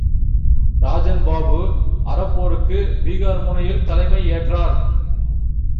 இராஜன் பாபு அறப்போருக்கு பீகார் முனையில் தலைமை ஏற்றார்.